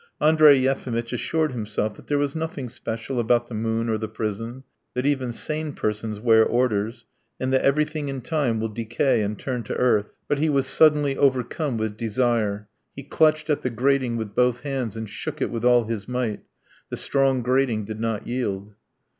Andrey Yefimitch assured himself that there was nothing special about the moon or the prison, that even sane persons wear orders, and that everything in time will decay and turn to earth, but he was suddenly overcome with desire; he clutched at the grating with both hands and shook it with all his might. The strong grating did not yield.